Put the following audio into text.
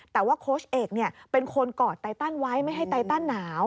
แต่ว่าโค้ชเอกเป็นคนกอดไตตันไว้ไม่ให้ไตตันหนาว